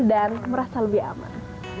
dan merasa lebih aman